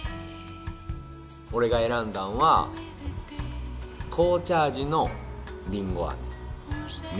俺が選んだんは、紅茶味のりんごあめ。